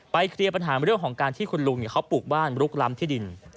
เคลียร์ปัญหาเรื่องของการที่คุณลุงเขาปลูกบ้านลุกล้ำที่ดิน